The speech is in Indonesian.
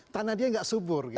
tanahnya tidak subur gitu